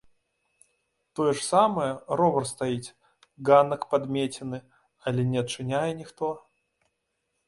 Тое ж самае, ровар стаіць, ганак падмецены, але не адчыняе ніхто.